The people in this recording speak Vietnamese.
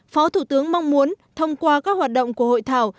phó thủ tướng mong muốn thông qua các hoạt động của hội thảo